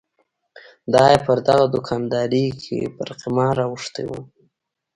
دای پر دغه دوکاندارۍ کې پر قمار اوښتی و.